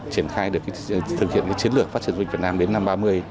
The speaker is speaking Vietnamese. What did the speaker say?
triển khai được cái chiến lược phát triển du lịch việt nam đến năm hai nghìn ba mươi